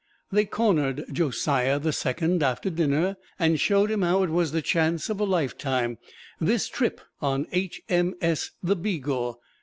They cornered Josiah the Second after dinner and showed him how it was the chance of a lifetime this trip on H.M.S. the "Beagle"!